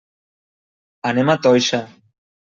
Anem a Toixa.